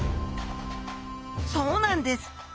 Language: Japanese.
そうなんです！